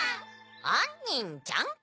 あんにんちゃん？